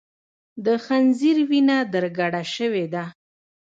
د خنځیر وینه در کډه سوې ده